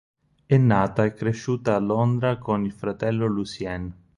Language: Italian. È nata e cresciuta a Londra con il fratello Lucien.